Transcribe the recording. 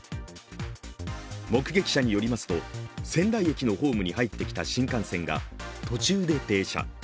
目撃者によりますと、仙台駅のホームに入ってきた新幹線が途中で停車。